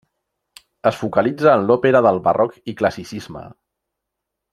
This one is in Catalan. Es focalitza en l'òpera del barroc i classicisme.